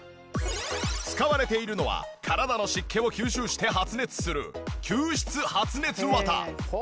使われているのは体の湿気を吸収して発熱する吸湿発熱綿。